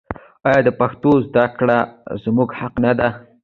آیا د پښتو زده کړه زموږ حق نه دی؟